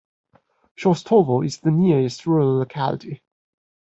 Shorstovo is the nearest rural locality.